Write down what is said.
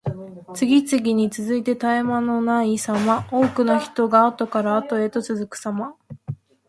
次々に続いて絶え間のないさま。多くの人があとからあとへと続くさま。